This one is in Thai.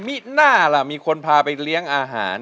มิน่าล่ะมีคนพาไปเลี้ยงอาหาร